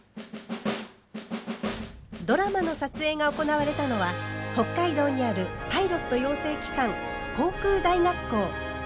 ドラマの撮影が行われたのは北海道にあるパイロット養成機関航空大学校。